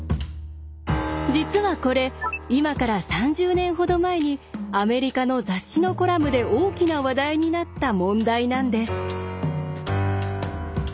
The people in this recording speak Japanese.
実はこれ今から３０年ほど前にアメリカの雑誌のコラムで大きな話題になった問題なんです。